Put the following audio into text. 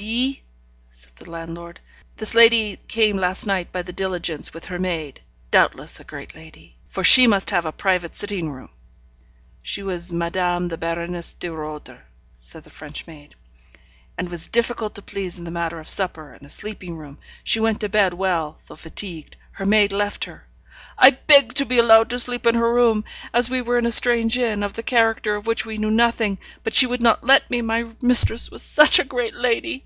'See!' said the landlord. 'This lady came last night by the diligence with her maid. Doubtless, a great lady, for she must have a private sitting room ' 'She was Madame the Baroness de Roeder,' said the French maid. 'And was difficult to please in the matter of supper, and a sleeping room. She went to bed well, though fatigued. Her maid left her ' 'I begged to be allowed to sleep in her room, as we were in a strange inn, of the character of which we knew nothing; but she would not let me, my mistress was such a great lady.'